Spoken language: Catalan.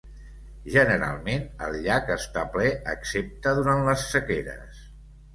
Generalment el llac està ple excepte durant les sequeres.